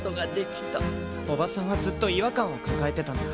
おばさんはずっと違和感を抱えてたんだ。